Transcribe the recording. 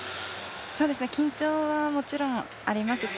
緊張はもちろんありますし